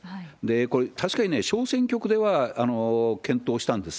これ、確かにね、小選挙区では検討したんです。